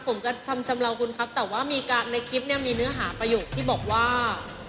ผมกระทำชำเลาคุณครับแต่ว่ามีการในคลิปเนี่ยมีเนื้อหาประโยคที่บอกว่า